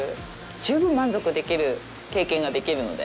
十分満足できる経験ができるので。